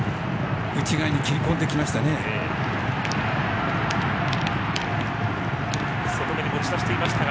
内側に切り込んできましたね。